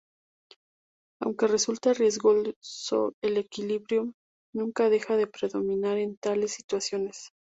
Aunque resulta riesgoso, el equilibrio nunca deja de predominar en tales situaciones.